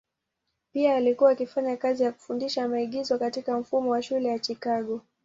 Pia alikuwa akifanya kazi ya kufundisha maigizo katika mfumo wa shule ya Chicago.